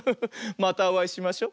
またおあいしましょ。